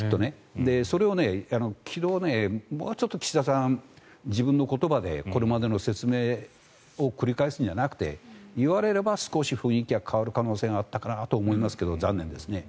それを昨日もうちょっと岸田さんは自分の言葉でこれまでの説明を繰り返すんじゃなくて言われれば少し雰囲気が変わる可能性があったかなと思いますけど残念ですね。